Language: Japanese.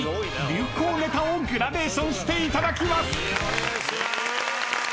流行ネタをグラデーションしていただきます］